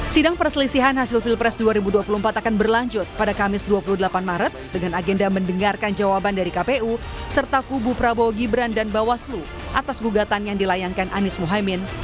sampai jumpa di mahkamah konstitusi